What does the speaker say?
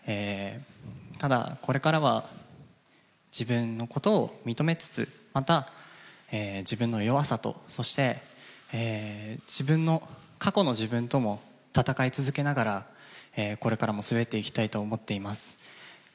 ただ、これからは自分のことを認めつつ、また、自分の弱さと、そして過去の自分とも戦い続けながらこれからも滑っていきたいと思っています。